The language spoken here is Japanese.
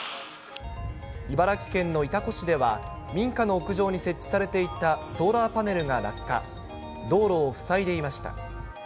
茨城県の潮来市では、民家の屋上に設置されていたソーラーパネルが落下、道路を塞いでいました。